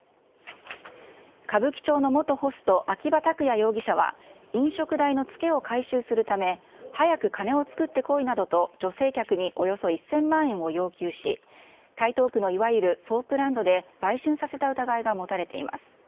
歌舞伎町の元ホスト、秋葉拓也容疑者は、飲食代の付けを回収するため、早く金を作ってこいなどと、女性客におよそ１０００万円を要求し、台東区のいわゆるソープランドで売春させた疑いが持たれています。